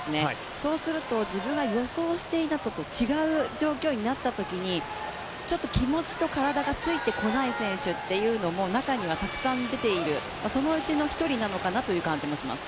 そうすると、自分が予想していたのと違う状況になったときに、ちょっと気持ちと体がついてこない選手というのも中にはたくさん出ている、そのうちの１人なのかなという感じもします。